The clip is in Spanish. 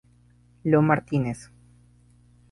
Lo Martínez.